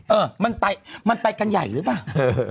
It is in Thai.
เออมันไปกันใหญ่หรือป่าว